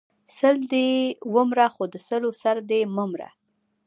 ـ سل دی ونره خو د سلو سر دی مه مره.